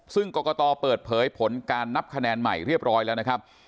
ซึ่งกรกตเปิดเผยผลการนับคะแนนใหม่เรียบร้อยแล้วนะครับ